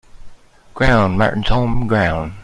Ground, Martyn's home ground.